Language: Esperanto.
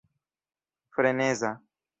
freneza